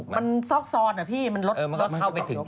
มันซอกซอนอ่ะพี่มันรถเข้าไปถึง